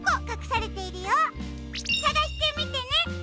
さがしてみてね！